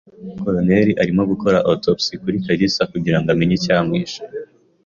Coroner arimo gukora autopsie kuri kalisa kugirango amenye icyamwishe